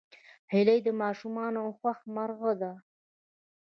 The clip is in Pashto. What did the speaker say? هیلۍ د ماشومانو خوښ مرغه ده